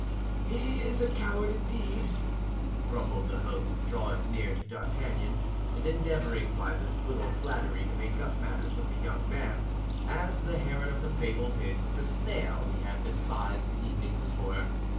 "He is a coward, indeed," grumbled the host, drawing near to D'Artagnan, and endeavoring by this little flattery to make up matters with the young man, as the heron of the fable did with the snail he had despised the evening before.